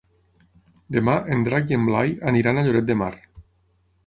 Demà en Drac i en Blai aniran a Lloret de Mar.